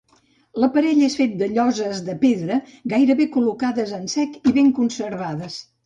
L'aparell és fet de lloses de pedra gairebé col·locades en sec i ben conservades.